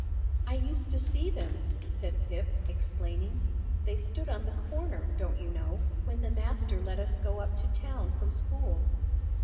"I used to see them," said Pip, explaining. "They stood on the corner, don't you know, when the master let us go up to town from school."